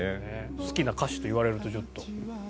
好きな歌詞と言われるとちょっと出てきたので。